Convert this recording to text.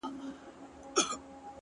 يوه نه.دوې نه.څو دعاوي وكړو.